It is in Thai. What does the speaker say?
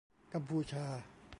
กัมพูชา